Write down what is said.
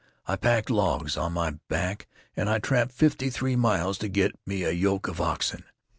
I packed logs on my back and I tramped fifty three miles to get me a yoke of oxen.